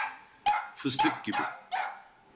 Fıstık gibi.